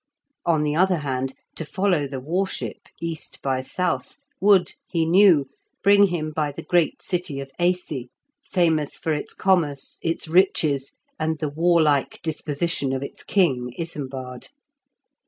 On the other hand, to follow the war ship, east by south, would, he knew, bring him by the great city of Aisi, famous for its commerce, its riches, and the warlike disposition of its king, Isembard.